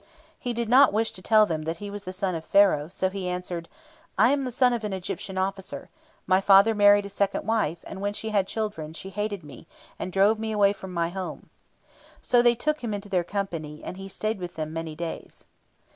He did not wish to tell them that he was the son of Pharaoh, so he answered, "I am the son of an Egyptian officer. My father married a second wife, and, when she had children, she hated me, and drove me away from my home." So they took him into their company, and he stayed with them many days.